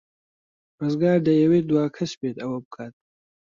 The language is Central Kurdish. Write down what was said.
ڕزگار دەیەوێت دوا کەس بێت ئەوە بکات.